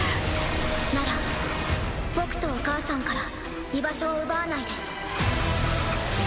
なら僕とお母さんから居場所を奪わないで。